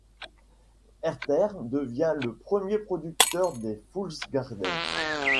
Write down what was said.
Herter devient le premier producteur des Fool's Garden.